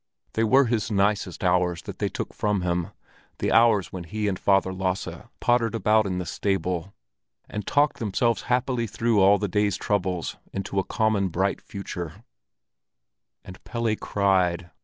They were his nicest hours that they took from him, the hours when he and Father Lasse pottered about in the stable, and talked themselves happily through all the day's troubles into a common bright future; and Pelle cried.